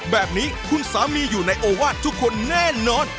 แบบนี้คุณสามีอยู่ในโอวาสทุกคนแน่นอน